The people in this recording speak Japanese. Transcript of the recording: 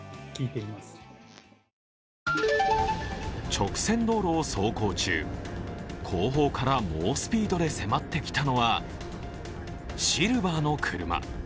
直線道路を走行中、後方から猛スピードで迫ってきたのはシルバーの車。